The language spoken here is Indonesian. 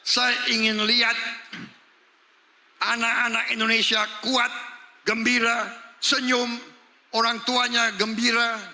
saya ingin lihat anak anak indonesia kuat gembira senyum orang tuanya gembira